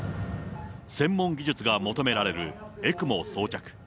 専門技術が求められるＥＣＭＯ装着。